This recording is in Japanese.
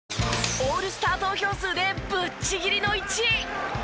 オールスター投票数でぶっちぎりの１位。